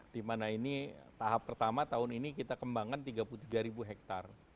dimana ini tahap pertama tahun ini kita kembangkan tiga puluh tiga ribu hektar